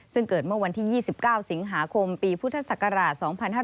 ซึ่งเกิดเมื่อวันที่๒๙สิงหาคมปีพุทธศักราช๒๕๕๙